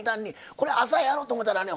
これ朝やろうと思ったらね